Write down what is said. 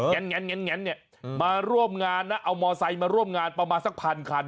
แงนแงนแงนแงนเนี้ยมาร่วมงานเนอะเอามอไซด์มาร่วมงานประมาณสักพันครัน